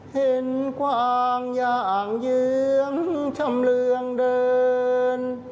เห็นกวางอย่างเยื้องชำเรืองเดิน